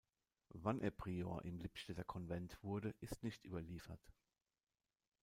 Wann er Prior im Lippstädter Konvent wurde, ist nicht überliefert.